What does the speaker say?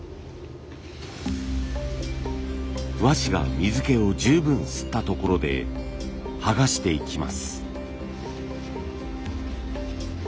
和紙が水けを十分吸ったところで剥がしていきます。